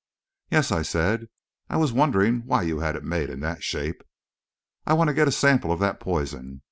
"Yes," I said, "I was wondering why you had it made in that shape." "I want to get a sample of that poison.